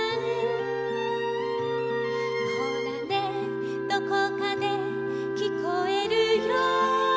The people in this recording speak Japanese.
「ほらねどこかできこえるよ」